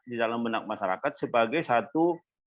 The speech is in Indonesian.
di dalam benak masyarakat sebagai satu